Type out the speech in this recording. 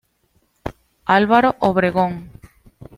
Álvaro Obregón.